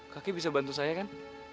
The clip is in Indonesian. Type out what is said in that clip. kaki bisa bantu saya kan